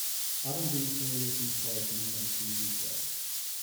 Autumn brings glorious leaf colour to many of the trees and shrubs.